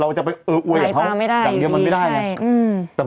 เราจะไปเออเอาเนี่ยระยิกว่าจะไปเอาเนี่ยมันไม่ได้หลายตามไม่ได้อยู่ดีใช่อืม